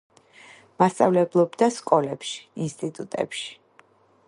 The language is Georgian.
მასწავლებლობდა სკოლებში, ინსტიტუტებში.